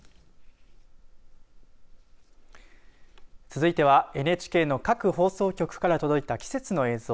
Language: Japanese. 続いてはＮＨＫの各放送局から届いた季節の映像。